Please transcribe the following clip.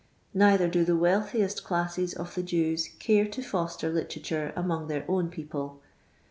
Ncithf r do the wealthiest clnsses of the Jews Giro to foster literature among their own people.